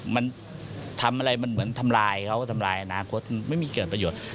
มันทำอะไรมันเหมือนทำลายเขาทำลายอนาคตไม่มีเกิดประโยชน์